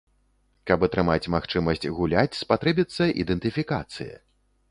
Каб атрымаць магчымасць гуляць, спатрэбіцца ідэнтыфікацыя.